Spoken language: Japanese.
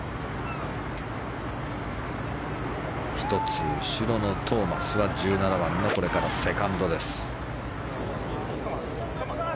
１つ後ろのトーマスは１７番のセカンドです。